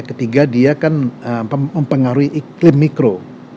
ketiga dia kan mempengaruhi iklim mikro